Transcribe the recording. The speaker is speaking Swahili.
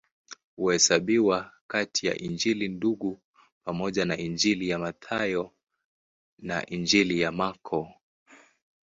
Huhesabiwa kati ya Injili Ndugu pamoja na Injili ya Mathayo na Injili ya Marko.